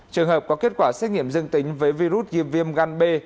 trường hợp có kết quả xét nghiệm dân tính với virus diêm viêm gan b